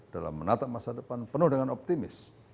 dalam menatap masa depan penuh dengan optimis